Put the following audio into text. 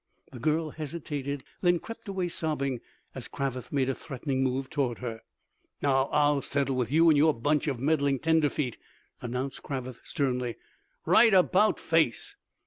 The girl hesitated, then crept away sobbing as Cravath made a threatening move toward her. "Now, I'll settle with you and your bunch of meddling tenderfeet," announced Cravath sternly. "Right about face!"